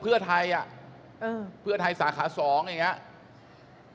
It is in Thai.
เมื่อการเพิ่มไทยสาขาสำสรรค์